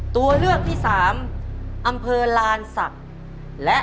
ตัวเลือกที่๓อำเภอลานนี่